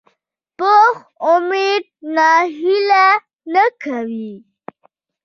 پوخ امید ناهیلي نه کوي